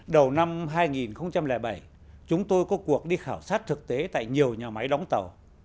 đầu năm hai nghìn bảy chúng tôi có cuộc đi khảo sát thực tế tại nhiều nhà máy đóng tàu